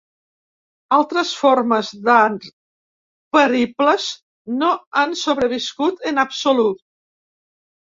Altres formes d'art peribles no han sobreviscut en absolut.